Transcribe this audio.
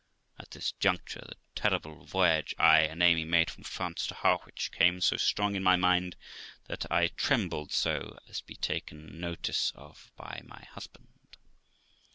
(At this juncture the terrible voyage I and Amy made from France to Harwich came so strong in my mind, that I trembled so as to be taken notice of by my husband.)